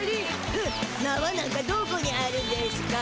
ふんなわなんかどこにあるんでしゅか？